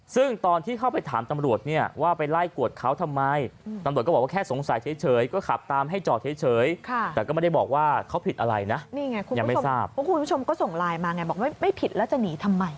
ซึ่งตอนที่เข้าไปถามตำรวจเนี่ยว่าไปไล่กวดเขาทำไม